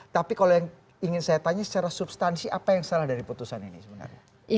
tapi kalau yang ingin saya tanya secara substansi apa yang salah dari putusan ini sebenarnya